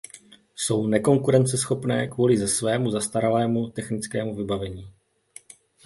Jsou nekonkurenceschopné kvůli svému zastaralému technickému vybavení.